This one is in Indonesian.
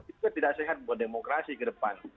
itu tidak sehat buat demokrasi ke depan